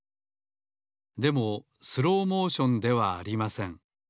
でもスローモーションではありません。